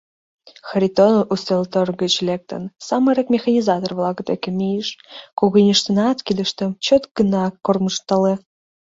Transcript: Харитонов, ӱстелтӧр гыч лектын, самырык механизатор-влак деке мийыш, когыньыштынат кидыштым чот гына кормыжтале.